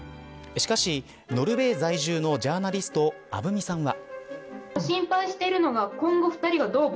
しかし、ノルウェー在住のジャーナリスト鐙さんは。